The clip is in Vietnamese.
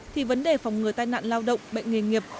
thì vấn đề phòng ngừa tai nạn lao động bệnh nghề nghiệp